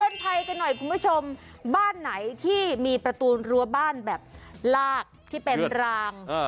ภัยกันหน่อยคุณผู้ชมบ้านไหนที่มีประตูรั้วบ้านแบบลากที่เป็นราง